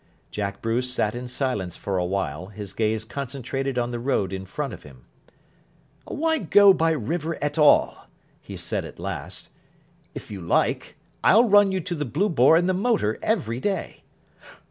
Jack Bruce sat in silence for a while, his gaze concentrated on the road in front of him. "Why go by river at all?" he said at last. "If you like, I'll run you to the 'Blue Boar' in the motor every day."